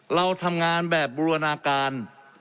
เราทำงานแบบบูรณาการ